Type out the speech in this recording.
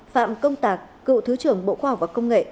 phạm công tạc cựu thứ trưởng bộ khoa học và công nghệ